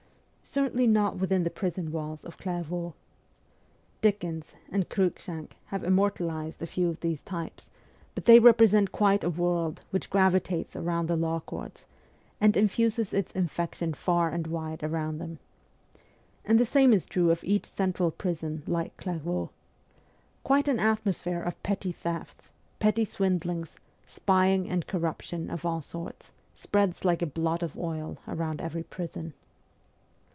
Certainly not within the prison walls of Clairvaux. Dickens and Cruikshank have immortalized a few of these types ; but they represent WESTERN EUROPE 285 quite a world which gravitates round the law courts, and infuses its infection far and wide around them. And the same is true of each central prison like Clair vaux. Quite an atmosphere of petty thefts, petty swindlings, spying and corruption of all sorts spreads like a blot of oil round every prison.